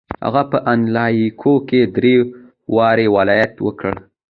هغه په انیلاکو کې درې دورې ولایت وکړ.